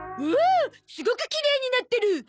すごくきれいになってる。